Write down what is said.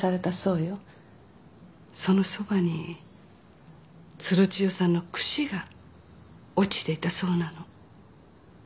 そのそばに鶴千代さんのくしが落ちていたそうなの。